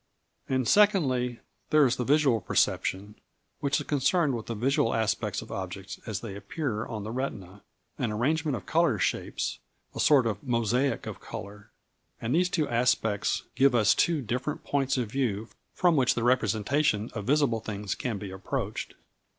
And secondly, there is the visual perception, which is concerned with the visual aspects of objects as they appear on the retina; an arrangement of colour shapes, a sort of mosaic of colour. And these two aspects give us two different points of view from which the representation of visible things can be approached.